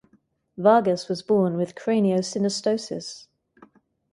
Vargas was born with craniosynostosis.